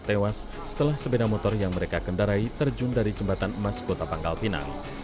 tewas setelah sepeda motor yang mereka kendarai terjun dari jembatan emas kota pangkal pinang